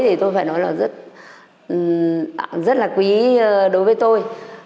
thì tôi phải nói là rất là quý đối với tôi